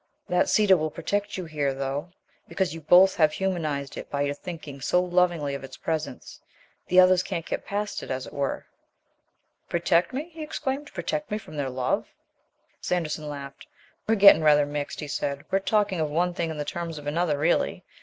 "That cedar will protect you here, though, because you both have humanized it by your thinking so lovingly of its presence. The others can't get past it, as it were." "Protect me!" he exclaimed. "Protect me from their love?" Sanderson laughed. "We're getting rather mixed," he said; "we're talking of one thing in the terms of another really.